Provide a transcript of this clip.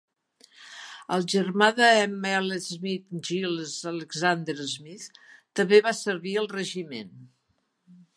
El germà de M. L. Smith, Giles Alexander Smith, també va servir al regiment.